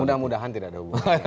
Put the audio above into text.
mudah mudahan tidak ada hubungannya